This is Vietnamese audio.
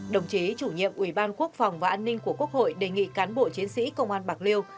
đồng chí chủ nhiệm ủy ban quốc phòng và an ninh của quốc hội đề nghị cán bộ chiến sĩ công an bạc liêu